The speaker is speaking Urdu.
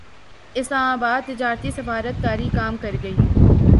اسلام اباد تجارتی سفارت کاری کام کرگئی